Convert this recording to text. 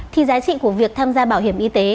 thì giá trị của việc tham gia bảo hiểm y tế